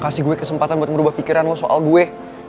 kasih gue kesempatan buat merubah pikiran lo soal gue